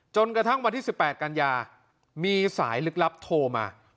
จนกระทั่งวันที่๑๘กันยามีสายลึกลับโทรมา